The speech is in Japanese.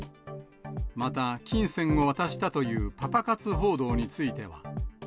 また、金銭を渡したというパパ活報道については。